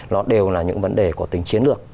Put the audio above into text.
nó đều là những vấn đề của tính chiến lược